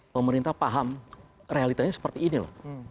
pemerintah paham realitanya seperti ini loh